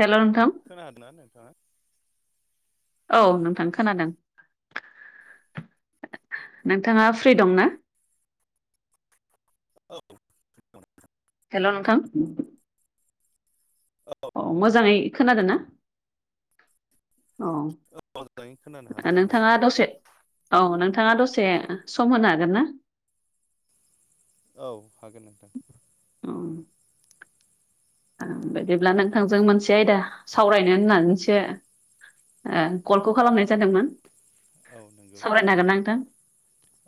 हेल' नोंथां खोनादोंना नोंथाङा? औ नोंथां खोनादों। नोंथाङा फ्रि दंना? औ हेल' नोंथां औ औ मोजाङै खोनादों ना? औ मोजाङै खोनानो हादों आङो नोंथाङा दसे औ नोंथाङा दसे सम होनो हागोन ना? औ हागोन नोंथां। औ बिदिब्ला नोंथांजों मोनसे आयदा सावरायनो होननानैसो कलखौ खालामनाय जादोंमोन। औ नंगौ सावरायनो हागोन ना थारैनो नोंथां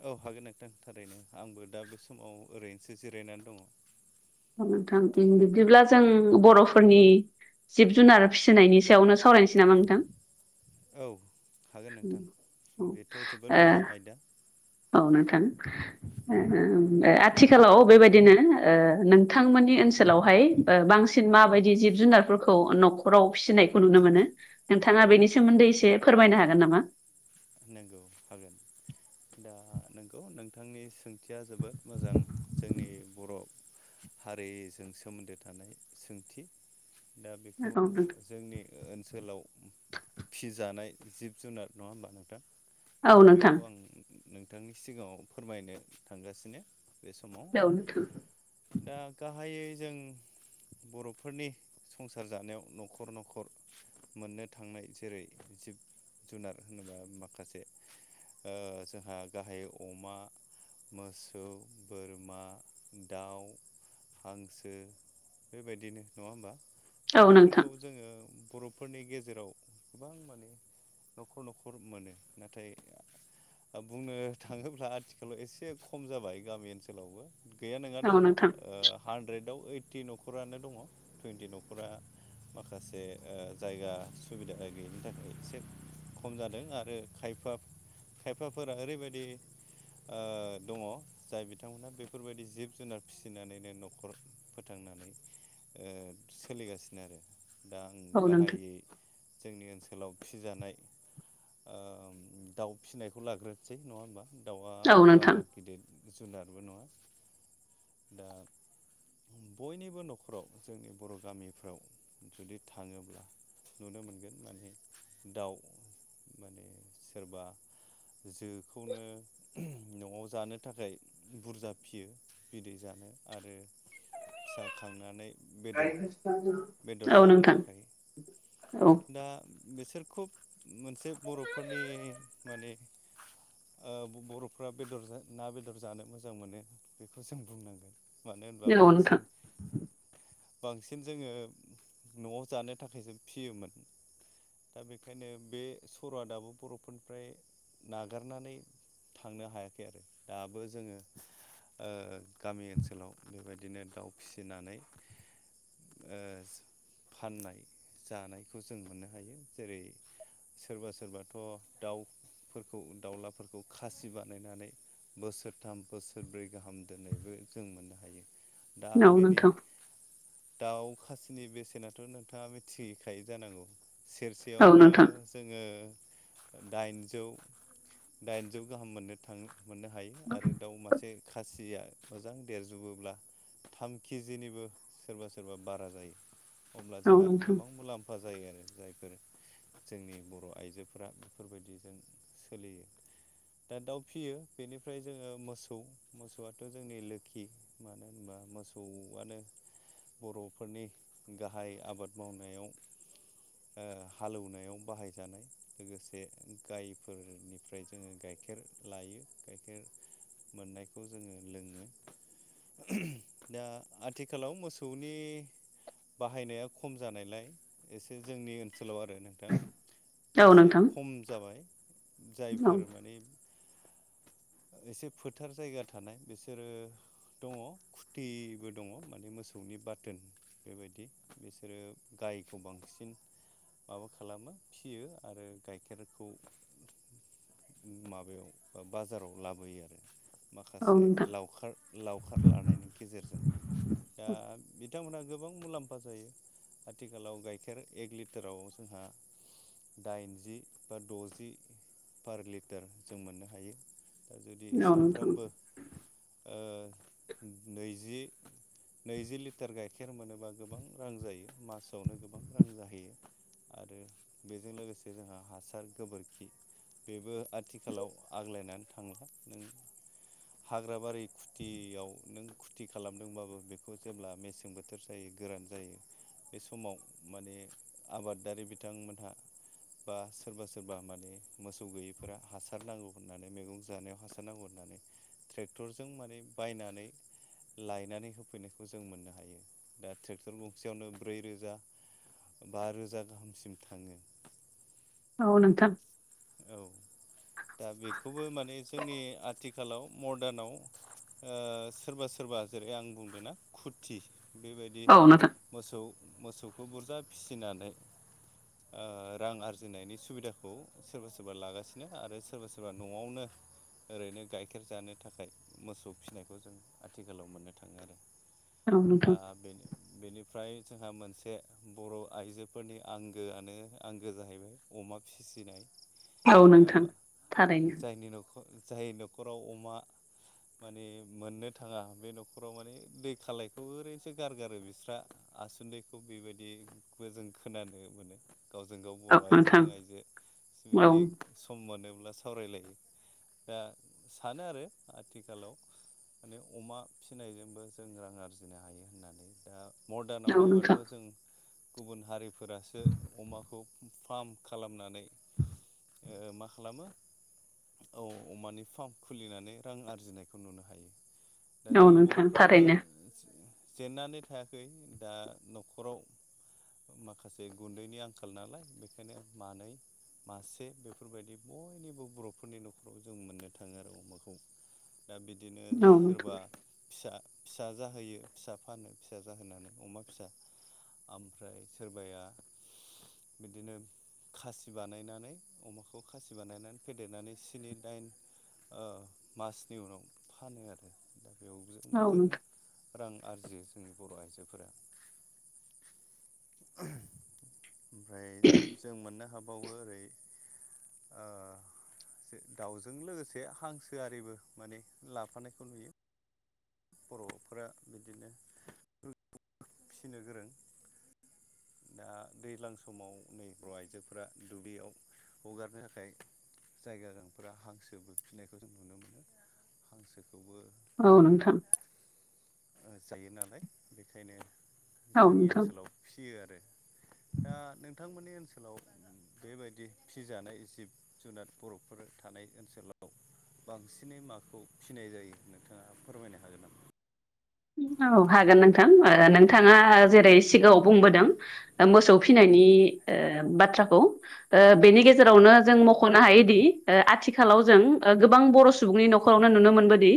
औ हागोन नोंथां थारैनो आंबो दा बे समाव ओरैनोसो जिरायनानै दङ। नोंथां बिदिब्ला जों बर'फोरनि जिब जुनार फिसिनायनि सायाव सावरायनोसै नामा नोंथां? औ हागोन नोंथां औ बेथ' जोबोद मोजां आयदा। औ नोंथां आथिखालाव बेबायदिनो ओ नोंथांमोननि ओनसोलावहाय बांसिन माबायदि जिब जुनारफोरखौ न'खराव फिसिनायखौ नुनो मोनो? नोंथाङा बेनि सोमोन्दै एसे फोरमायनो हागोन नामा? नंगौ हागोन। दा नंगौ नोंथांनि सोंथिया जोबोद मोजां जोंनि बर' हारिजों सोमोन्दो थानाय सोंथि दा बेखौ जोंनि ओनसोलाव फिजानाय जिब जुनार नङा होमबा नोंथां औ दा नोंथां बेखौ आं नोंथांनि सिगाङाव फोरमायनो थांगासिनो बे समाव औ नोंथां दा गाहायै जों बर'फोरनि संसार जानायाव न'खर न'खर मोननो थांनाय जेरै जिब जुनार होनोबा माखासे जोंहा गाहाय अमा मोसौ, बोरमा, दाउ हांसो बेबायदिनो नङा होमबा दा औ नोंथां बेफोरखौ जोङो बर'फोरनि गेजेराव गोबां माने न'खर न'खर मोनो नाथाय बुंनो थाङोब्ला आथिखालाव एसे खम जाबाय गामि ओनसोलावबो गैया नङा औ दङ नोंथां हानद्रेदआव ओइटि न'खरानो दङ टुइन्टि न'खरा माखासे जायगा सुबिदा गैयिनि थाखाय एसे खम जादों आरो खायफा खायफाफोरा ओरैबायदि दङ जाय बिथांमोनहा बेफोरबायदि जिब जुनार फिसिनानैनो न'खर फोथां नानै सोलिगासिनो आरो दा आं औ नोंथां गाहायै जोंनि ओनसोलाव फिजानाय दाउ फिसिनायखौ लाग्रोसै नङा होमबा दाउआ बारा गिदिर जुनारबो नङा दा [inaudible] बयनिबो न'खराव जोंनि बर' गामिफ्राव जुदि थाङोब्ला नुनो मोनगोन माने दाउ माने सोरबा जोखौनो न'आव जानो थाखाय बुरजा फियो बिदै। मोन आरो फिसा खांनानै बेदर बेदर औ जानो नोंथां थाखाय औ। दा बिसोर खुब मोनसे बर'फोरनि माने बर'फ्रा बेदर ना बेदर जानो मोजां मोनो बेखौ जों बुंनांगोन। मानो होनबा नोंथां बांसिन बांसिन जोङो न'आव जानो थाखायसो फियोमोन दा बेखायनो बे सर'आ दाबो बर'फोरनिफ्राय नागारनानै थांनो हायाखै आरो दाबो जोङो गामि ओनसोलाव बेबायदिनो दाउ फिसिनानै ओ फाननाय जानायखौ जों मोननो हायो जेरै सोरबा सोरबाथ' दाउफोरखौ दाउलाफोरखौ खासि बानायनानै बोसोरथाम बोसोरब्रै गाहाम दन्नायबो जों मोननो हायो। दा औ बेनि नोंथां औ दाउ खासिनि बेसेनाथ' नोंथाङा मिथिहैखायो जानांगौ औ सेरसेयावनो नोंथां जोङो दाइनजौ दाइनजौ गाहाम मोननो थाङो मोननो हायो आरो दाउ मासे खासिया मोजां देरजोबोब्ला थाम केजिनिबो सोरबा सोरबा बारा जायो। अब्ला औ जोंहा नोंथां औ गोबां मुलाम्फा जायो आरो जायफोर जोंनि बर' आइजोफोरा बेफोरबायदिजों सोलियो दा दाउ फियो बेनिफ्राय जोङो मोसौ मोसौआथ' जोंनि लोखि मानो होनबा मोसौआनो बर'फोरनि गाहाय आबाद मावनायाव हालौवनायाव बाहाय जानाय लोगोसे गायफोरनिफ्राय जोङो गाइखेर लायो गाइखेर मोननायखौ जोङो लोङो। दा आथिखालाव मोसौनि बाहायनाया खम जानायलाय एसे जोंनि ओनसोलाव आरो नोंथां एसे नोंथां खम जाबाय जायफोर माने [unintelligible] [inaudible] एसे फोथार जायगा थानाय बिसोरो दङ खुथिबो दङ माने मोसौनि बाथोन बेबायदि बिसोरो जायखौ बांसिन माबा खालामो फियो आरो गाइखेरखौ माबायाव बा बाजाराव लाबोयो आरो माखासे लावखार लावखार लानायनि गेजेरजों दा बिथांमोना गोबां मुलाम्फा जायो आथिखालाव गाइखेर एक लिटाराव जोंहा दाइनजि बा द'जि पार लिटार जों मोननो हायो। दा जुदि औ नोंथां सामफ्रोमबो [unintelligible] [inaudible] नैजि नैजि लिटार गाइखेर मोनोबा गोबां रां जायो मासावनो गोबां रां जाहैयो। आरो बेजों लोगोसे जोंहा हासार गोबोरखि बेबो आथिखालाव आग्लायनानै थांला नों हाग्रा बारि खुथियाव नों खुथि खालामदोंबाबो बेखौ जेब्ला मेसें बोथोर जायो गोरान जायो बे समाव माने आबादारि बिथांमोन [unintelligible] [inaudible] बा सोरबा सोरबा माने मोसौ गैयिफोरा हासार नांगौ होननानै मैगं जानायाव हासार नांगौ होननानै [unintelligible] [inaudible] ट्रेक्टरजों माने बायनानै लायनानै होफैनायखौ जों मोननो हायो दा ट्रेक्टर गंसेयावनो ब्रै रोजा बा रोजा गाहामसिम थाङो। औ नोंथां। औ दा बेखौबो माने जोंनि आथिखाल आथिखालाव मदार्नाव सोरबा सोरबा जेरै आं बुंदों ना खुरथि बेबायदि औ नोंथां औ नोंथां औ नोंथां औ मोसौ मोसौ खौ बुरजा फिसिनानै रां आरजिनायनि सुबिदाखौ सोरबा सोरबा लागासिनो आरो सोरबा सोरबा न'आवनो ओरैनो गाइखेर जानो थाखाय मोसौ फिसिनायखौ जों आथिखालाव मोननो थाङो आरो नोंथां औ दा नोंथां बे बेनिफ्राय जोंहा मोनसे बर' आइजोफोरनि आंगोआनो आंगो जाहैबाय अमा फिसिनाय। औ नङा नोंथां होमबा थारैनो। जायनि न'खर जाय न'खराव अमा माने मोननो थाङा बे न'खराव माने दै खालायखौ ओरैनोसो गारगारो बिस्रा आसुन्दैखौ बेबायदिखौ जों खोनानो मोनो। गावजों गाव औ बर' नोंथां आइजोजों आइजो औ बिदि सम मोनोब्ला सावरायलायो। दा सानो आरो आथिखालाव माने अमा फिसिनायजोंबो जों रां आरजिनो हायो होननानै दा मरदानाव औ नायबाथ' नोंथां जों गुबुन हारिफोरासो अमाखौ फार्म खालामनानै [inaudible] मा खालामो औ अमानि फार्म खुलिनानै रां आरजिनायखौ नुनो हायो। दा औ जोंनि नोंथां बर'फ्राबो थारैनो जेननानै थायाखै दा न'खराव माखासे गुन्दैनि आंखाल नालाय बेखायनो मानै मासे बेफोरबायदि बयनिबो बर'फोरनि न'खराव जों मोननो थाङो आरो अमाखौ दा बिदिनो औ सोरबा नोंथां फिसा फिसा जाहोयो फिसा फानो फिसा जाहोनानै अमा फिसा आमफ्राय सोरबाया बिदिनो खासि बानायनानै अमाखौ खासि बानायनानै फेदेरनानै स्नि दाइन मासनि उनाव फानो आरो दा बेयावजोंबो औ जोङो नोंथां। रां आरजियो जोंनि बर' आइजोफोरा। ओमफ्राय जों मोननो हाब बावो ओरै दाउजों लोगोसे हांसो आरिबो माने लाफानायखौ नुयो। बर'फोरा बिदिनो [inaudible] फिसिनो गोरों दा दैज्लां समाव नै बर' आइजोफोरा दुब्लियाव हगारनो थाखाय जायगाा गोनांफोरा हांसोबो फिसिनायखौ जों नुनो मोनो। हांसोखौ औ नोंथां। जायो नालाय बेखायनो औ जोंनि नोंथां ओनसोलाव फिसियो आरो [inaudible] दा नोंथांमोननि ओनसोलाव बेबायदि फिसिजानाय जिब जुनार बर'फोर था नाय ओनसोलाव बांसिनै माखौ फिसिनाय जायो नोंथाङा फोरमायनो हा औ हागोन नोंथां नोंथाङा जेरै सिगाङाव बुंबोदों ओ मोसौ औ फिसिनायनि ओ बाथ्राखौ ओ औ बेनि औ गेजेरावनो जों मख'नो हायो दि ओ आथिखालाव जों ओ गोबां बर' सुबुंनि न'खरावनो नुनो मोनबोदि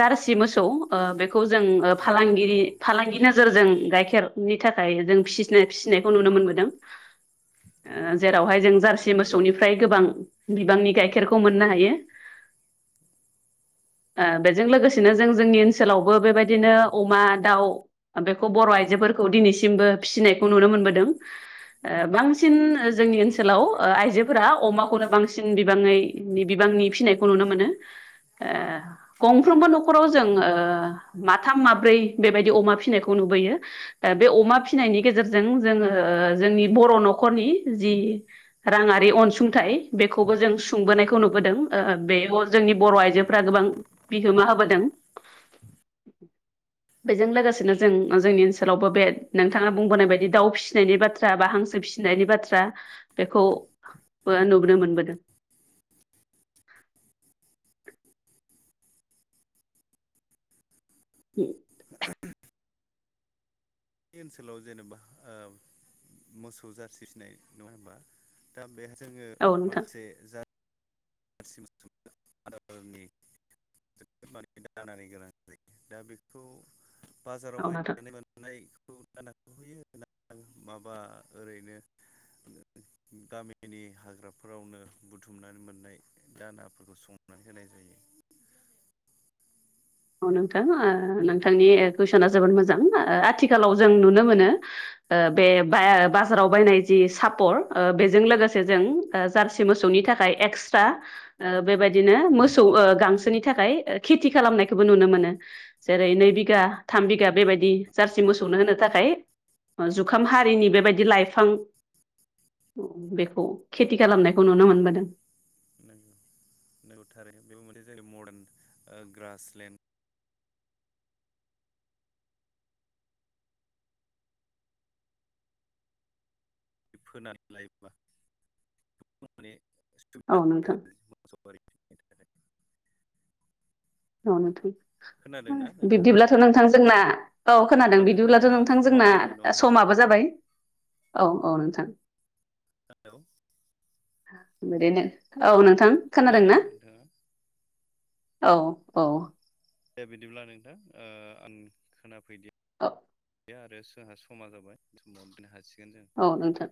जारसि मोसौ खौ ओ बेखौ जों ओ नंगौ फालांगिरि नंगौ फालांगि नोजोरजों गाइखेरनि थाखाय जों फिसिनाय फिसिनायखौ नुनो मोनबोदों ओ नंगौ जेरावहाय जों जारस सि मोसौनिफ्राय गोबां बिबांनि गाइखेरखौ मोननो हायो ओ बेजों लोगोसेनो जों जोंनि ओनसोलावबो बेबायद दिनो अमा, दाउ बेखौ बर' आइजोफोरखौ दिनैसिमबो फिसिनायखौ नुनो मोनबोदों ओ बांसिन जोंनि नंगौ ओनसोलाव थारै ओ आइजो फोरा अमाखौनो बांसिन बिबाङै बिबांनि फिसिनायखौ नुनो मोनो ओ गंफ्रोमबो नखराव औ जों ओ माथाम माब्रै बेबायदि अमा फिसिनायखौ नुबोयो बे अमा फिसिनायनि गेजेरजों जोङो ओ जोंनि बर' नखरनि जि राङारि अनसुंथाइ बेखौबो जों औ सुंबोनायखौ नुबोदों ओ बेयाव जोंनि नंगौ बर थारैनो आइजोफ्रा गोबां बिहोमा होबोदों बेजों लोगोसेनो जों जोंनि ओनसोलावबो बे नोंथाङा बुंबोनाय बायदि दाउ फिसिनायनि बाथ्रा बा हांसो फिसिनायनि बाथ्रा बेखौ बो औ नुबोनो मोनबोदों [inaudible] [unintelligible] बे ओनसोलाव जेनेबा ओब मोसौ जारसि फिनाय नङाहोनबा दा बे जोङो औ नोंथां माखासे जार रसि मोसौनि आदारनि माने दानानि गोनांथि जायो दा बेखौ बाजाराव औ नोंथां बायनानै मोननाय [inaudible] माबा ओरैनो गामिनि हाग्राफोरावनो बुथुमनानै मोननाय दानाफोरखौ संनानै होनाय जायो औ नोंथां ओ नोंथांनि कुइसना जोबोद मोजां आथिखालाव जों नुनो मोनो ओ बे बा-बाजाराव बायनाय जि सापर ओ बेजों लोगोसे जों ओ जारसि मोसौ औ नि थाखाय एक्सट्रा ओ बेबायदिनो मोसौ ओ गांसोनि थाखाय खेथि खालामनाय खौबो नुनो मोनो जेरै नै बिगा थाम बिगा बेबायदि जारसि मोसौनो होनो थाखाय ओ जुखाम हारिनि बेबायदि नंगौ लाइफां बेखौ खेथि खालामनायखौ नुनो मोनबोदों नंगौ नंगौ थारै बेबो मोनसे जेरै मदार्न ग्रासलेण्ड फोनानै लायोब्ला माने औ सुबिदा जाबाय नोंथां मोसौ गारिनि थाखाय औ नोंथां खोनादोंना नोंथाङा बिब्दिब्लाथ नोंथां जोंना अब्ला बिदिब्लाथ जोंहा नोंथां समाबो जोंना जाबाय नङा ना होमबा समाबो जाबाय औ औ नोंथां हेलौ औ नोंथा खोनादों नोंथाङा औ औ दे बिदिब्ला नोंथां ओ आं खोनाफैदि [inaudible] या आरो जोंहा समा जाबाय जों औ नोंथां